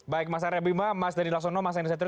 baik mas arief ima mas dhani lasono mas ayan desetri